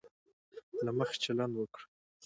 له مخي چلند وکړي.